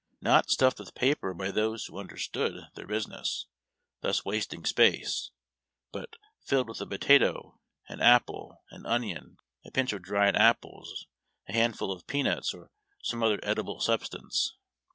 Not stuffed witli paper by those who understood their business, thus wasting space, but filled with a potato, an apple, an onion, a pinch of dried apples, a handful of peanuts, or some other edible substance.